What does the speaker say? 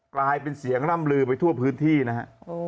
กลายเป็นเสียงร่ำลือไปทั่วพื้นที่นะฮะ